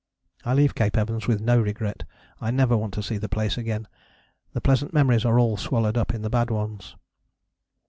I leave Cape Evans with no regret: I never want to see the place again. The pleasant memories are all swallowed up in the bad ones."